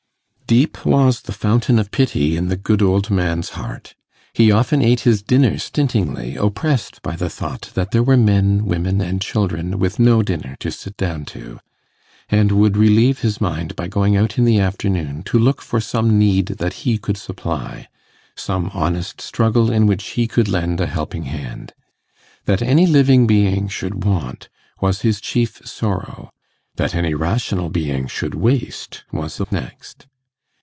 Deep was the fountain of pity in the good old man's heart! He often ate his dinner stintingly, oppressed by the thought that there were men, women, and children, with no dinner to sit down to, and would relieve his mind by going out in the afternoon to look for some need that he could supply, some honest struggle in which he could lend a helping hand. That any living being should want, was his chief sorrow; that any rational being should waste, was the next.